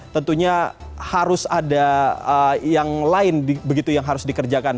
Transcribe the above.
tentunya harus ada yang lain begitu yang harus dikerjakan